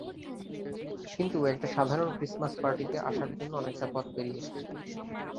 কিন্তু, একটা সাধারণ ক্রিস্টমাস পার্টিতে আসার জন্য অনেকটা পথ পেড়িয়ে এসেছ।